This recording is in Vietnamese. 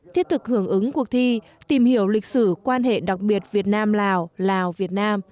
thiết thực hưởng ứng cuộc thi tìm hiểu lịch sử quan hệ đặc biệt việt nam lào lào việt nam